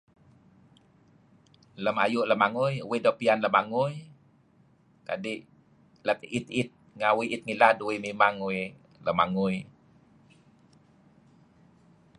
Lem ayu' lemangui uih doo' piyan lemangui kadi' it it rengat uih iit ngilad mimang uih lemangui.